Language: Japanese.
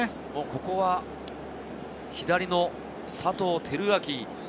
ここは左の佐藤輝明。